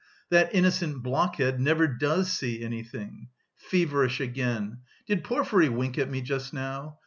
That innocent blockhead never does see anything! Feverish again! Did Porfiry wink at me just now?